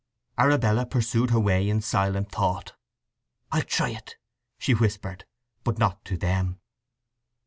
Arabella pursued her way in silent thought. "I'll try it!" she whispered; but not to them.